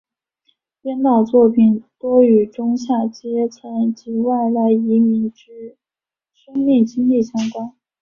编导作品多与中下阶层及外来移民之生命经历相关。